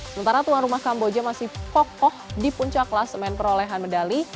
sementara tuan rumah kamboja masih kokoh di puncak kelas men perolehan medali